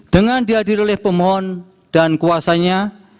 dengan dihadir oleh pemohon dan kuasanya